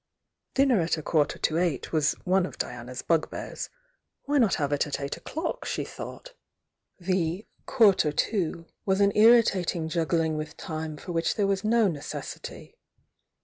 Dinner at a quarter to eight was one of Diana's bugbears — why not have it at eight o'clock, she thought? The "quarter to" was an irritating juggling with time for which there was no neces sity.